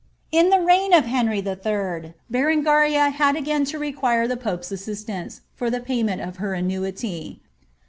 In the reign of Henry III., Berengaria had again to require the popt^ assistance, for tiie payment of her annuity.